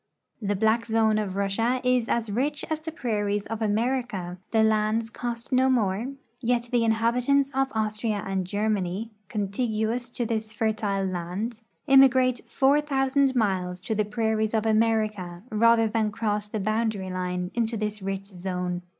The black zone of Russia is as rich as the prairies of America ; the lands cost no more; yet the inhabitants of Austria and Ger many, contiguous to this fertile land, immigrate four thousand miles to the prairies of America rather than cross the boundary line into this rich zone.